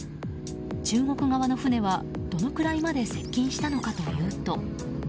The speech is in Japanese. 中国側の船はどのくらいまで接近したのかというと。